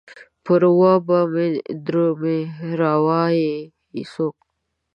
پر و به مې ته دروې ، را وا يي يې څوک؟